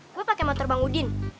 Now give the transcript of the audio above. gue pakai motor bang udin